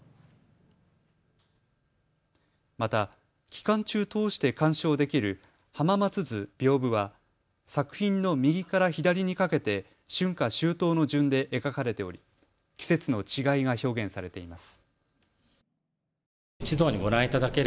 また期間中通して鑑賞できる浜松図屏風は作品の右から左にかけて春夏秋冬の順で描かれており季節の違いが表現されています。